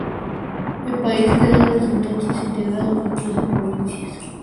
El país quedó desde entonces integrado por trece provincias autónomas.